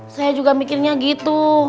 saya juga mikirnya gitu